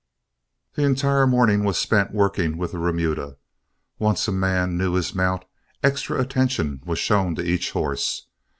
The entire morning was spent working with the remuda. Once a man knew his mount, extra attention was shown each horse.